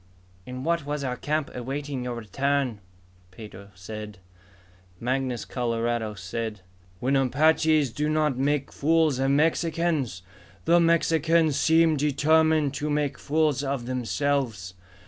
"In what was our camp, awaiting your return," Pedro said. Mangus Coloradus said, "When Apaches do not make fools of Mexicans, the Mexicans seem determined to make fools of themselves.